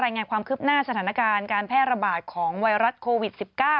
รายงานความคืบหน้าสถานการณ์การแพร่ระบาดของไวรัสโควิด๑๙